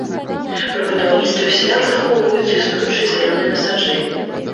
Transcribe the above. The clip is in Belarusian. Пры будаўніцтве ўсяляк захоўваюцца існуючыя зялёныя насаджэнні.